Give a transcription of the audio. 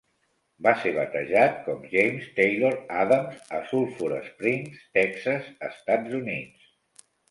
Va ser batejat com James Taylor Adams a Sulphur Springs, Texas (Estats Units).